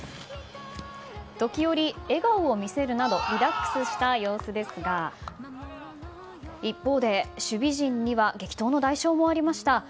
時折、笑顔を見せるなどリラックスした様子ですが一方で守備陣には激闘の代償もありました。